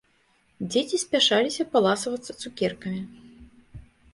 Дзеці спяшаліся паласавацца цукеркамі